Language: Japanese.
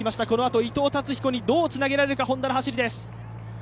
このあと伊藤達彦にどうつなげられるか、Ｈｏｎｄａの走りです。